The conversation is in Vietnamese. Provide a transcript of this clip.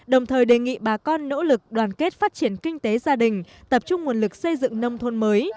đồng thời đề nghị bà con nỗ lực đoàn kết phát triển kinh tế gia đình tập trung nguồn lực xây dựng nông thôn mới